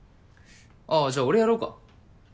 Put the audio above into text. あぁじゃあ俺やろうか？